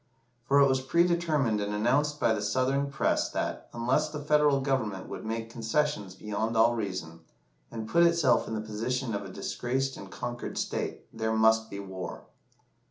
For it was predetermined and announced by the Southern press that, unless the Federal Government would make concessions beyond all reason, and put itself in the position of a disgraced and conquered state, there must be war.